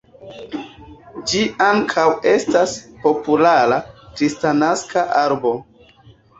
Ĝi ankaŭ estas populara kristnaska arbo.